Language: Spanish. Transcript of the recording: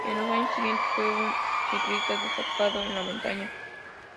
En los años siguientes fue un ciclista destacado en la montaña.